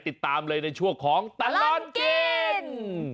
ติดตามเลยในช่วงของตลอดกิน